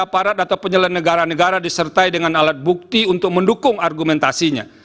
aparat atau penyelenggara negara disertai dengan alat bukti untuk mendukung argumentasinya